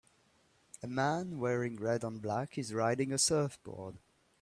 A man wearing red and black is riding a surfboard.